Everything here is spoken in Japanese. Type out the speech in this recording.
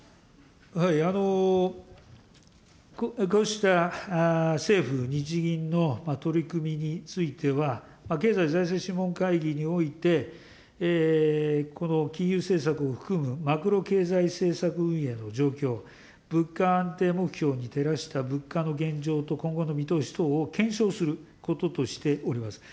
こうした政府・日銀の取り組みについては、経済財政諮問会議において、この金融政策を含むマクロ経済政策運営の状況、物価安定目標に照らした物価の現状と今後の見通し等を検証することとしております。